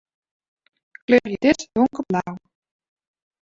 Kleurje dit donkerblau.